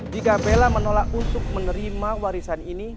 jika bella menolak untuk menerima warisan ini